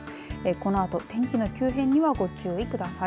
このあと天気の急変にはご注意ください。